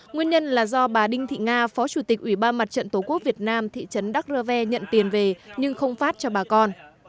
nguyên nhân là do bà đinh thị nga phó chủ tịch ủy ban mặt trận tổ quốc việt nam thị trấn đắk rơ ve nhận tiền về nhưng không phát cho bà con